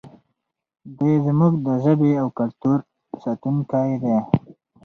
دی زموږ د ژبې او کلتور ساتونکی دی.